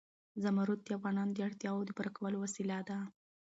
زمرد د افغانانو د اړتیاوو د پوره کولو وسیله ده.